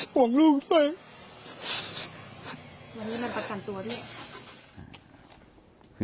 หวังลูกไหม